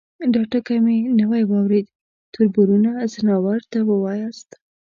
_دا ټکی مې نوی واورېد، تربرونه ، ځناورو ته واياست؟